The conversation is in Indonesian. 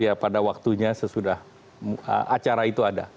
ya pada waktunya sesudah acara itu ada